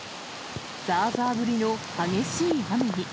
ざーざー降りの激しい雨に。